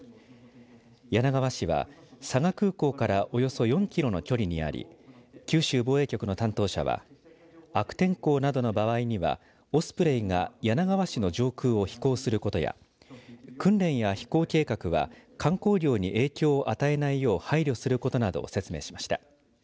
柳川市は佐賀空港からおよそ４キロの距離にあり九州防衛局の担当者は悪天候などの場合にはオスプレイが柳川市の上空を飛行することや訓練や飛行計画は観光業に影響を与えないよう配慮することなどを説明しました。